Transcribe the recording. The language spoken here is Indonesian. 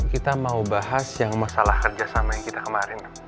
kita mau bahas yang masalah kerjasama yang kita kemarin